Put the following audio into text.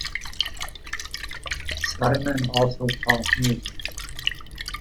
Simeon also taught music.